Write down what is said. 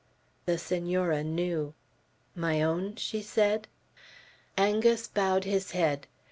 The Senora knew. "My own?" she said. Angus bowed his head.